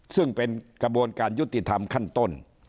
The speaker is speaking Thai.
ซึ่งเป็นกระบวนการยุติธรรมขั้นต้น